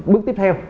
bước tiếp theo